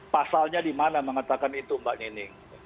pasalnya di mana mengatakan itu mbak nining